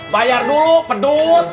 bayar dulu pedut